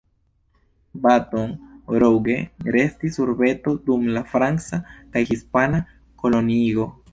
Baton Rouge restis urbeto dum la franca kaj hispana koloniigo.